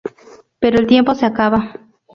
Pero el tiempo se acaba.